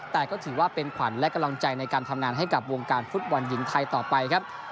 แต่ก็ถือว่าเป็นขวัญและกำลังใจในการทำงานให้กับวงการฟุตบอลหญิงไทยต่อไปครับ